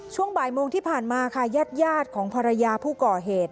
ช่วงบ่ายโมงที่ผ่านมาค่ะญาติของภรรยาผู้ก่อเหตุ